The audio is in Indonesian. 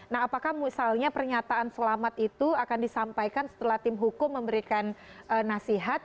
nah apakah misalnya pernyataan selamat itu akan disampaikan setelah tim hukum memberikan nasihat